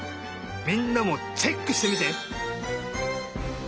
みんなもチェックしてみて！